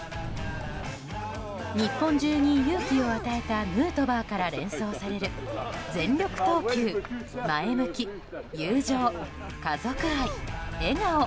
日本中に勇気を与えたヌートバーから連想される全力投球、前向き、友情家族愛、笑顔。